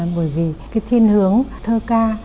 bởi vì cái thiên hướng thơ ca